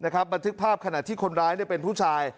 บันทึกภาพขณะที่คนร้ายเป็นผู้ชาย